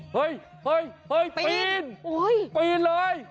เฮ้ยปีนปีนเลย